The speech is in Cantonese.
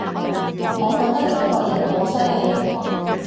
我覺得中國人好犀利